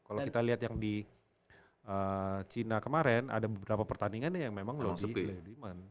kalo kita liat yang di china kemarin ada beberapa pertandingan yang memang low demand